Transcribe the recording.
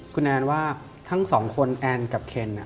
คุณแอนว่าทั้งสองคนแอนกับเคน